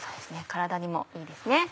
体にもいいですね。